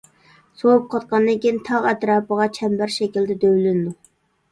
سوۋۇپ قاتقاندىن كېيىن تاغ ئەتراپىغا چەمبەر شەكىلدە دۆۋىلىنىدۇ.